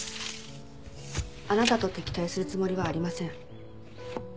あなたと敵対するつもりはありません。